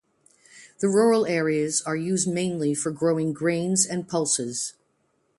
The rural areas are used mainly for growing grains and pulses.